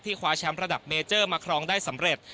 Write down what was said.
คว้าแชมป์ระดับเมเจอร์มาครองได้สำเร็จ